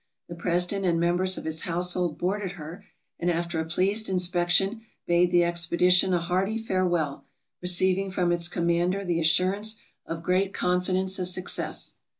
The President and members of his household boarded her, and after a pleased inspection, bade the expedition a hearty farewell, re ceiving from its commander the assurance of great confidence of success.